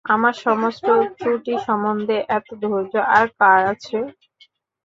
আমার সমস্ত ত্রুটিসম্বন্ধে এত ধৈর্য আর কার আছে?